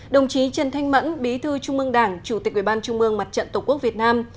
đồng chí trần thanh mẫn bí thư trung ương đảng chủ tịch ủy ban trung ương mặt trận tổ quốc việt nam